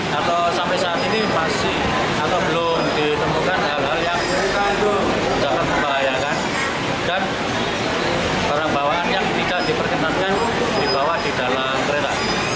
dan barang bawaannya tidak diperkenalkan dibawa di dalam kereta